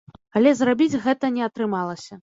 Але зрабіць гэта не атрымалася.